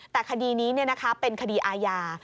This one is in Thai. แต่คดีนี้เป็นคดีอาญา